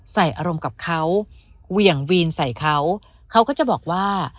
ใส่อารมณ์กับเขาเหวี่ยงวีนใส่เขาเขาก็จะบอกว่า